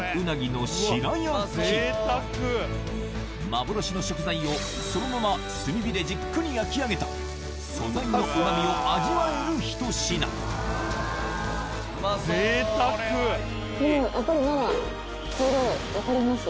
幻の食材をそのまま炭火でじっくり焼き上げた素材のうま味を味わえるひと品分かります？